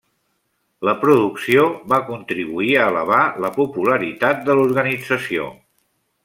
La producció va contribuir a elevar la popularitat de l'organització.